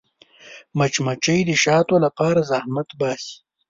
مچمچۍ د شاتو لپاره زحمت باسي